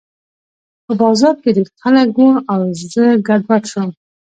په بازار کې ډېر خلک وو او زه ګډوډ شوم